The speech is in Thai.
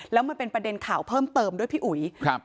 แล้วมันเป็นประเด็นข่าวเพิ่มเติมด้วยพี่อุ๋ยครับ